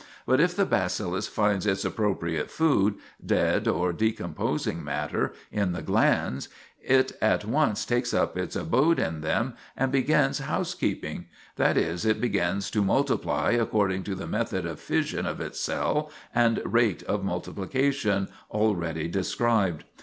But if the bacillus finds its appropriate food dead or decomposing matter in the glands, it at once takes up its abode in them and "begins housekeeping;" that is, it begins to multiply according to the method of fission of its cell and rate of multiplication, already described.